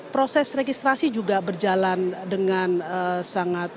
proses registrasi juga berjalan dengan sangat ketat ya